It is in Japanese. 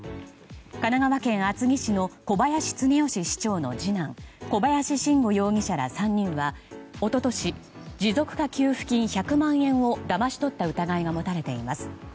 神奈川県厚木市の小林常良市長の次男小林伸吾容疑者ら３人は一昨年持続化給付金１００万円をだまし取った疑いが持たれています。